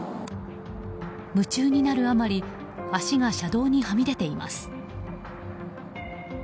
夢中になるあまり足が車道にはみ出ています。